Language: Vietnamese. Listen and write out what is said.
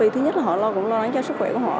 thứ nhất là họ lo lắng cho sức khỏe của họ